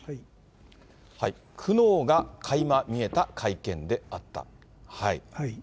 苦悩がかいま見えた会見であった。